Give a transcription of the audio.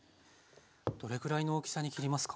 どれぐらいの大きさに切りますか？